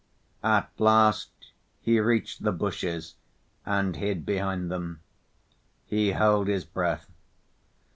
At last he reached the bushes and hid behind them. He held his breath.